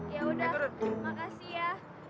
ya udah makasih ya